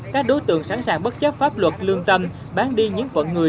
các đối tượng sẵn sàng bất chấp pháp luật lương tâm bán đi những vận người